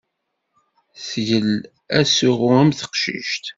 Sgel asuɣu am teqcict.